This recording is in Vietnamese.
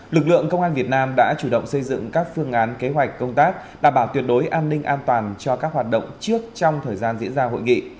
lực lượng công an việt nam đã chủ động xây dựng các phương án kế hoạch công tác đảm bảo tuyệt đối an ninh an toàn cho các hoạt động trước trong thời gian diễn ra hội nghị